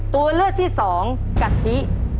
ตัวเลือกที่สองกะทิ